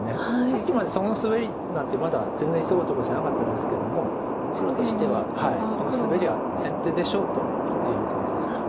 さっきまでそこのスベリなんてまだ全然急ぐとこじゃなかったですけども黒としてはこのスベリは先手でしょうと言っている感じですか。